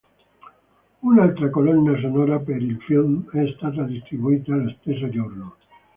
Un'altra colonna sonora per il film è stata distribuita lo stesso giorno.